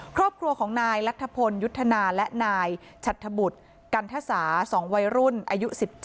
ครอบครัวของนายรัฐพลยุทธนาและนายฉัดธบุตรกันทสา๒วัยรุ่นอายุ๑๗